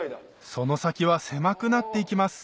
その先は狭くなっていきます